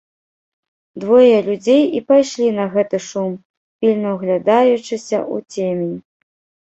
Двое людзей і пайшлі на гэты шум, пільна ўглядаючыся ў цемень.